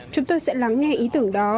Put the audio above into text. chúng tôi sẽ lắng nghe ý tưởng đó